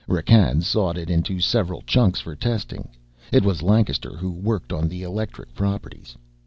Rakkan sawed it into several chunks for testing. It was Lancaster who worked on the electric properties.